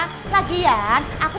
aku juga mau pergi dari rumah aku